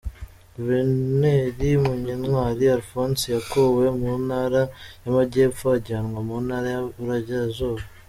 Guverineri Munyentwari Alphonse yakuwe mu Ntara y’Amajyepfo ajyanwa mu Ntara y’Iburengerazuba.